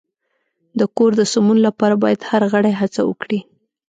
د کور د سمون لپاره باید هر غړی هڅه وکړي.